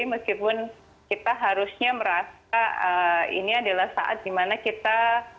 meskipun kita harusnya merasa ini adalah saat dimana kita